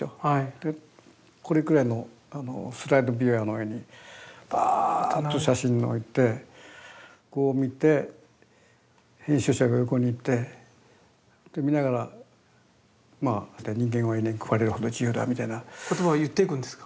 でこれぐらいのスライドビューアーの上にバーッと写真を置いてこう見て編集者が横にいてで見ながら「ニンゲンは犬に食われるほど自由だ。」みたいな。言葉を言っていくんですか？